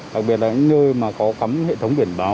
đặc biệt là những nơi mà có cắm hệ thống biển báo